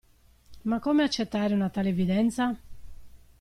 Ma come accettare una tale evidenza?